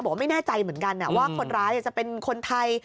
ว่าไม่แน่ใจเหมือนกันว่าคนร้ายจะเป็นคนไทย